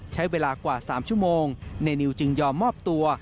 ใช้เวลากว่า๓ชั่วโมงในนิวจึงยอมมอบตัว